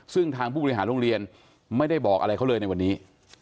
ซึ่งทางผู้บริหารโรงเรียนไม่ได้บอกอะไรเขาเลยในวันนี้